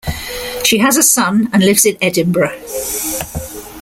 She has a son and lives in Edinburgh.